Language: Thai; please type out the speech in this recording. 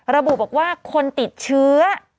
ระบุบอกว่าคนติดเชื้อ